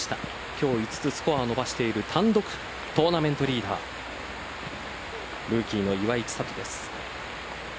今日５つスコアを伸ばしている単独トーナメントリーダールーキーの岩井千怜です。